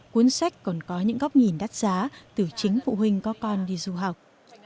cuốn sách còn có những góc nhìn đắt giá từ chính phụ huynh có con đi du học